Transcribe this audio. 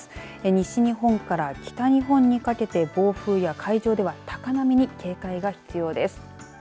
西日本から北日本にかけて暴風や海上では高波に警戒が必要です。